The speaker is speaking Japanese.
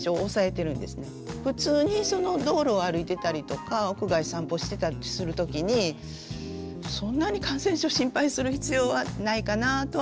普通に道路を歩いてたりとか屋外散歩してたりする時にそんなに感染症心配する必要はないかなぁとは思いますね。